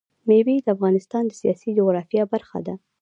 مېوې د افغانستان د سیاسي جغرافیه برخه ده.